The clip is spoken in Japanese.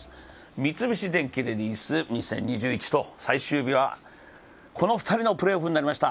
三菱電機レディス２０２１、最終日はこの２人のプレーオフになりました。